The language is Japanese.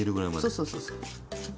そうそうそうそう。